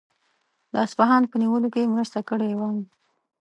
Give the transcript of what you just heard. د اصفهان په نیولو کې یې مرسته کړې وای.